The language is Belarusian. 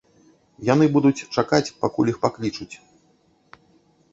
Яны будуць чакаць, пакуль іх паклічуць.